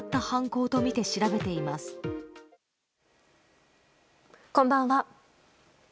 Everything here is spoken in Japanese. こんばんは。